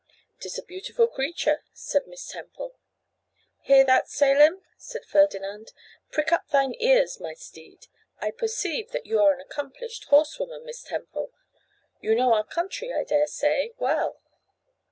''Tis a beautiful creature,' said Miss Temple. 'Hear that, Selim,' said Ferdinand; 'prick up thine ears, my steed. I perceive that you are an accomplished horsewoman, Miss Temple. You know our country, I dare say, well?